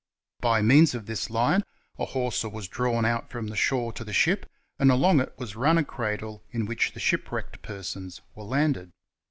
By means of this line a hawser was drawn out from the shore to the ship, and along it was run a cradle in which the shipwrecked persons were landed.